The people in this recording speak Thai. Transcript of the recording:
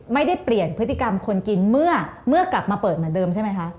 ไม่ได้เปลี่ยนพฤติกรรมคนกินเมื่อกลับมาเปิดเหมือนเดิมใช่ไหมคะ